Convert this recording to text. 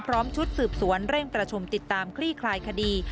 ชุดสืบสวนเร่งประชุมติดตามคลี่คลายคดี